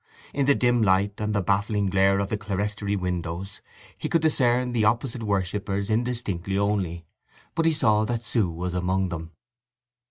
In the dim light and the baffling glare of the clerestory windows he could discern the opposite worshippers indistinctly only, but he saw that Sue was among them.